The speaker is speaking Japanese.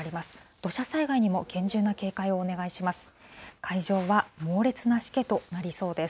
土砂災害にも厳重な警戒をお願いします。